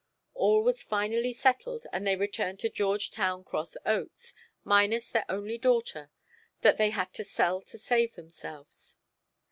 All was finally settled and they returned to George Town Cross Oats, minus their only daughter that they had to sell to save themselves.